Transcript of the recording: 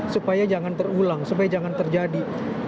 supaya jangan terulang supaya jangan terjadi